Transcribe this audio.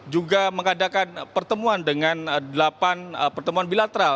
juga mengadakan pertemuan dengan delapan pertemuan bilateral